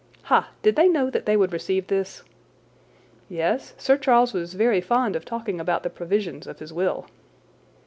"Ha! Did they know that they would receive this?" "Yes; Sir Charles was very fond of talking about the provisions of his will."